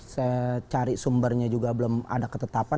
saya cari sumbernya juga belum ada ketetapan